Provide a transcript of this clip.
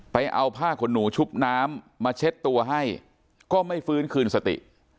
เอาผ้าขนหนูชุบน้ำมาเช็ดตัวให้ก็ไม่ฟื้นคืนสติ